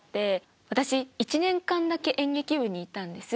私１年間だけ演劇部にいたんです。